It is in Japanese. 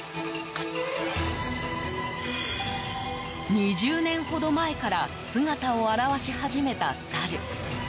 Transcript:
２０年ほど前から姿を現し始めたサル。